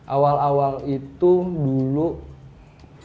awal awal itu dulu karena mungkin dulu kuantitinya kita nggak tahu